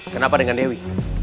kenapa dengan dewi